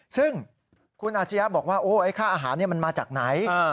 ซึ่งคุณอาชียะบอกว่าไอ้ค่าอาหารมันมาจากไหน